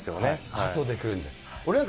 あとで来るんだ。